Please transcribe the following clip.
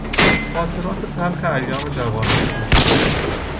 خاطرات تلخ ایام جوانی او